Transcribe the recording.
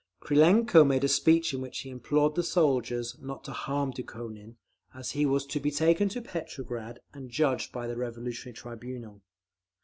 Krylenko made a speech in which he implored the soldiers not to harm Dukhonin, as he was to be taken to Petrograd and judged by the Revolutionary Tribunal.